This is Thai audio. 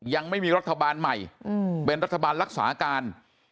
ยังไม่มีรัฐบาลใหม่เป็นรัฐบาลรักษาการ